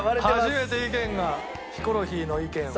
初めて意見がヒコロヒーの意見を。